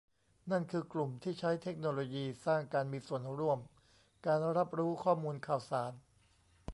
นั่นคือกลุ่มที่ใช้เทคโนโลยีสร้างการมีส่วนร่วม การรับรู้ข้อมูลข่าวสาร